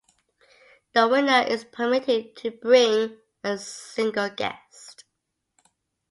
The winner is permitted to bring a single guest.